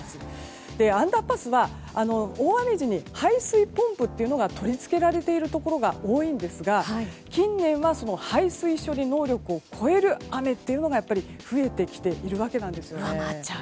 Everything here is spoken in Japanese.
アンダーパスは大雨時に排水ポンプが取り付けられているところが多いんですが近年は排水処理能力を超える大雨が増えてきているわけなんです。